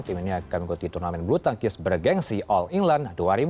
tim ini akan mengikuti turnamen blutangkis bergengsi all england dua ribu dua puluh satu